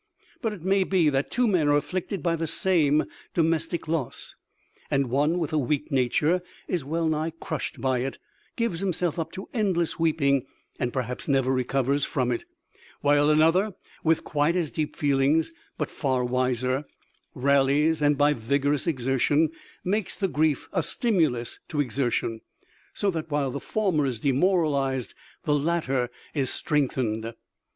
But it may be that two men are afflicted by the same domestic loss, and one with a weak nature is well nigh crushed by it, gives himself up to endless weeping and perhaps never recovers from it, while another with quite as deep feelings, but far wiser, rallies, and by vigorous exertion makes the grief a stimulus to exertion, so that while the former is demoralized, the latter is strengthened.